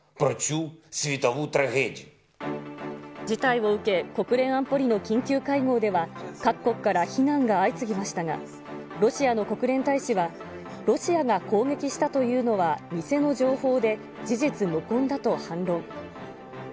事態を受け、国連安保理の緊急会合では、各国から非難が相次ぎましたが、ロシアの国連大使は、ロシアが攻撃したというのは偽の情報で、事実無根だと反論。